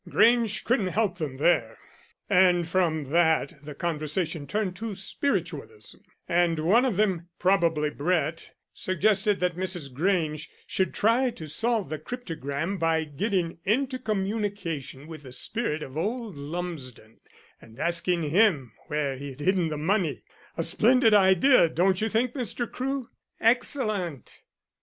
Grange couldn't help them there, and from that the conversation turned to spiritualism, and one of them probably Brett suggested that Mrs. Grange should try to solve the cryptogram by getting into communication with the spirit of old Lumsden and asking him where he had hidden the money. A splendid idea, don't you think, Mr. Crewe?" "Excellent!"